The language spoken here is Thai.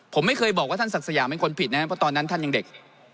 ผมไม่เคยบอกว่าท่านศักดิ์สยามเป็นคนผิดนะครับเพราะตอนนั้นท่านยังเด็ก